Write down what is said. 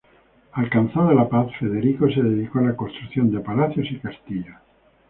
Alcanzada la paz, Federico se dedicó a la construcción de palacios y castillos.